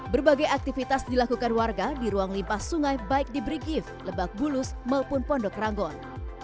berbagai aktivitas dilakukan warga di ruang limpah sungai baik di brigif lebak bulus maupun pondok ranggon